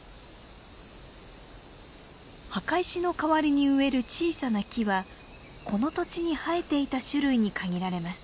墓石の代わりに植える小さな木はこの土地に生えていた種類に限られます。